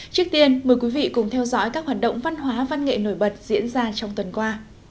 trước tiên mời quý vị cùng theo dõi các hoạt động văn hóa văn nghệ nổi bật diễn ra trong tuần qua